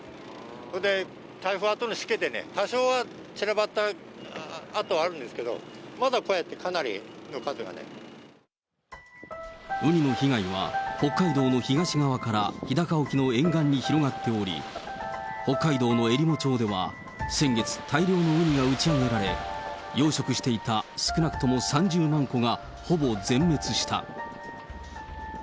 それで台風あとのしけでね、多少は散らばった跡はあるんですけど、まだこうやってかなりの数ウニの被害は、北海道の東側から日高沖の沿岸に広がっており、北海道のえりも町では、先月、大量のウニが打ち上げられ、養殖していた少なくとも３０万個がほぼ全滅した。